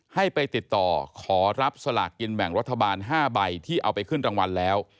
ให้ไปติดต่อขอรับสลากกินแบ่งรัฐบาล๕ใบที่เอาไปขึ้นรางวัลแล้ว